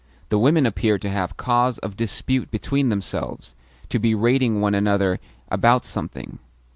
The women appeared to have cause of dispute between themselves to be rating one another about something.